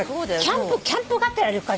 キャンプがてらいる感じ。